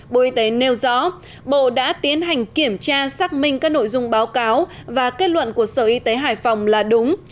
bộ y tế nêu rõ bộ đã tiến hành kiểm tra xác minh các nội dung báo cáo và kết luận của sở y tế hải phòng là đúng